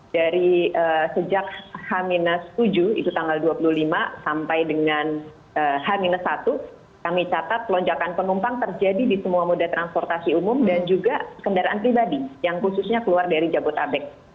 dari sejak h tujuh itu tanggal dua puluh lima sampai dengan h satu kami catat lonjakan penumpang terjadi di semua moda transportasi umum dan juga kendaraan pribadi yang khususnya keluar dari jabotabek